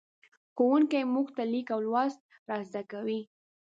ښوونکی موږ ته لیک او لوست را زدهکوي.